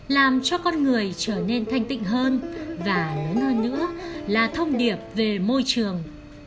làm cho con người trở nên thanh tịnh hơn và lớn hơn nữa là thông điệp về môi trường